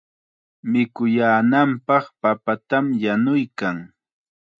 Mikuyaananpaq papatam yanuykan.